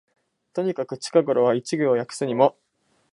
とにかく近頃は一行訳すにも、